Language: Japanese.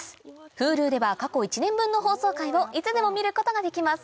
Ｈｕｌｕでは過去１年分の放送回をいつでも見ることができます